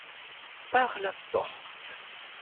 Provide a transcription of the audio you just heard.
Par la porte.